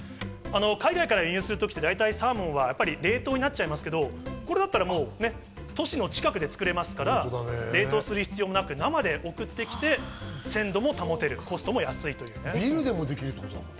海外から輸入する時って、大体サーモンは冷凍になっちゃいますけど、これだったらね、都市の近くで作れますから、冷凍する必要もなく、生で送ってビルでもできるんだよね？